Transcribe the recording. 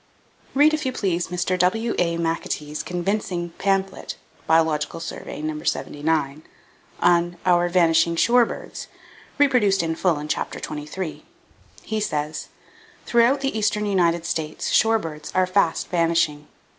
Read if you please Mr. W.A. McAtee's convincing pamphlet (Biological Survey, No. 79), on "Our Vanishing Shore Birds," reproduced in full in Chapter XXIII. He says: "Throughout the eastern United States, shore birds are fast vanishing.